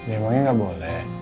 emangnya gak boleh